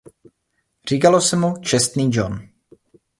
Říkalo se mu „čestný John“.